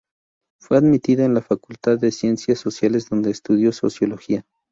Fue admitida a la Facultad de Ciencias Sociales donde estudió sociología.